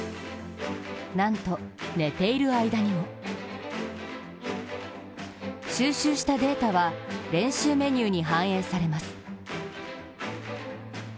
なんと寝ている間にも収集したデータは練習メニューに反映されます。